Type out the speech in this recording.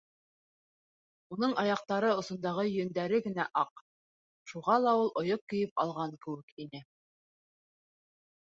Уның аяҡтары осондағы йөндәре генә аҡ, шуға ла ул ойоҡ кейеп алған кеүек ине.